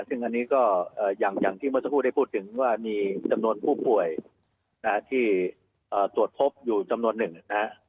ซึ่งอันนี้ก็อย่างที่เมื่อสักครู่ได้พูดถึงว่ามีจำนวนผู้ป่วยที่ตรวจพบอยู่จำนวนหนึ่งนะฮะ